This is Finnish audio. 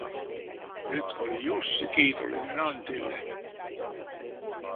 Nyt oli Jussi kiitollinen Antille.